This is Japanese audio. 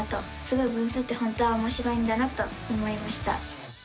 すごい分数って本当はおもしろいんだなと思いました！